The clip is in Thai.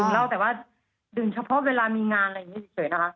เล่าแต่ว่าดื่มเฉพาะเวลามีงานอะไรอย่างนี้เฉยนะคะ